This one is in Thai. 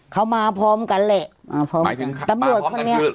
เขามาพร้อมกันเลยอ่าพร้อมกันหมายถึงตำรวจเขาเนี้ย